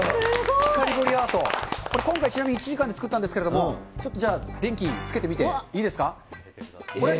光彫りアート、今回、これ１時間で作ったんですけれども、ちょっとじゃあ、電気つけてみていいですか。